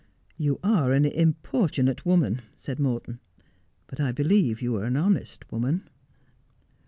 ' You are an importunate woman,' said Morton, ' but I believe you are an honest woman.'